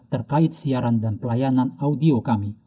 terkait siaran dan pelayanan audio kami